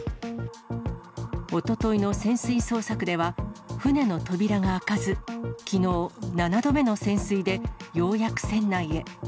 おとといの潜水捜索では、船の扉が開かず、きのう、７度目の潜水でようやく船内へ。